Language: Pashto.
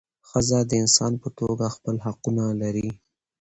ښځه د انسان په توګه خپل حقونه لري .